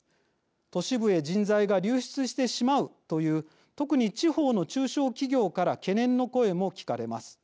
都市部へ人材が流出してしまうという特に、地方の中小企業から懸念の声も聞かれます。